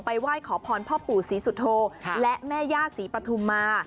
ไหว้ขอพรพ่อปู่ศรีสุโธและแม่ย่าศรีปฐุมมา